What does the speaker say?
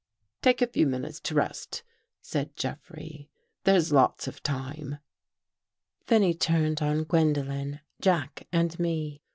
" Take a few minutes to rest,^' said Jeffrey. " There's lots of time." Then he turned on Gwendolen, Jack and me.